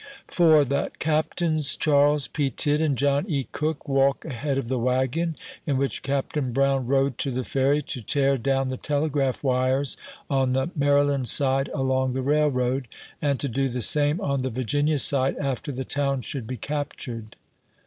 1. That Captains Charles P. Tidd and John E. Cook walk ahead of the wagon in which Captain Brown rode to the 3 30 A VOICE FROM HARPBR'3 FERRY. Ferry, to tear down the telegraph wires on the Maryland side a.long the railroad ; and to do the same on the Virginia side, after the town should be captured.